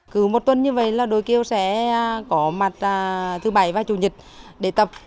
cứ một tuần như vậy là đội kiều sẽ có mặt thứ bảy và chủ nhật để tập